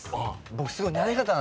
僕すごい。